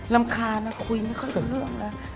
รำคานะคุยไม่ค่อยเรื่องแล้ว